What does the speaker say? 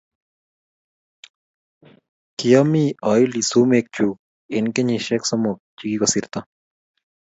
kiami aili sumek chuk eng' kenyishek somok che kikosirto